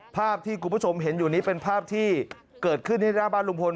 ภาพที่คุณผู้ชมเห็นอยู่นี้เป็นภาพที่เกิดขึ้นที่หน้าบ้านลุงพล